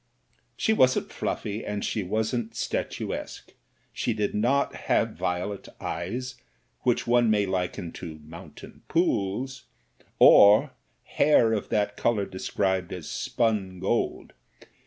She wasn't fluffy, and she wasn't statuesque ; she did not have violet eyes which one may liken to mountain pools, or hair of that colour described as spun gold.